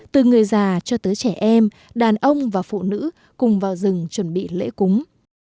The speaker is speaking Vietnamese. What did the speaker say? từ người già cho tới trẻ em đàn ông và phụ nữ cùng vào rừng chuẩn bị lễ cúng